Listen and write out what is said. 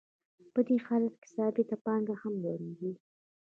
په دې حالت کې ثابته پانګه هم لوړېږي